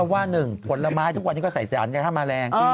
เมื่อว่าหนึ่งผลไม้ทุกวันที่เขาใส่สารจะทำแมลง